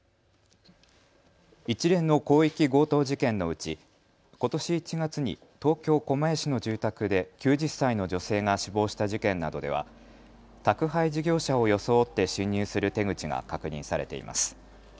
一連の広域強盗事件のうちことし１月に東京狛江市の住宅で９０歳の女性が死亡した事件などでは宅配事業者を装って侵入する手口が確認されています。